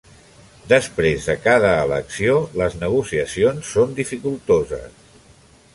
Després de cada elecció, les negociacions són dificultoses.